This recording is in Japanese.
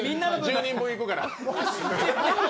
１０人分いくから。